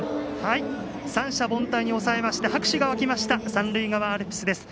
三者凡退に抑えまして拍手が沸きました三塁側アルプスです。